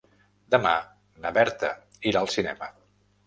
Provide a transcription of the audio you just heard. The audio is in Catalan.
Demà na Berta irà al cinema.